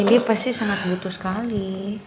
ini pasti sangat butuh sekali